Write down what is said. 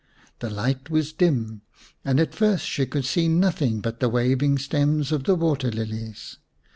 The light was dim, and at first she could see nothing but the waving stems of the water lilies.